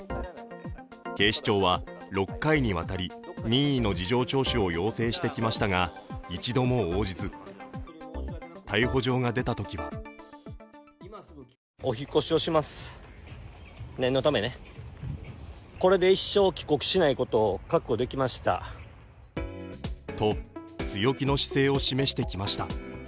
警視庁は６回にわたり、任意の事情聴取を要請してきましたが１度も応じず逮捕状が出たときはと、強気の姿勢を示してきました。